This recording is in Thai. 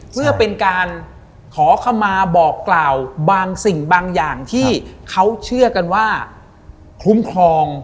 เพื่อเป็นการขอขมาบอกกล่าวบางสิ่งบางอย่างที่เขาเชื่อกันว่าคุ้มครอง